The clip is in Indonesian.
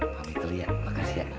pak fitri ya makasih ya